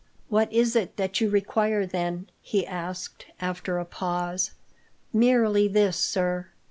"What is it that you require, then?" he asked, after a pause. "Merely this, sir.